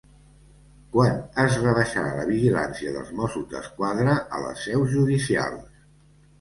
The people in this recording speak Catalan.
Quan es rebaixarà la vigilància dels Mossos d'Esquadra a les seus judicials?